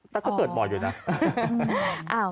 แต่ก็เกิดบ่อยอยู่นะ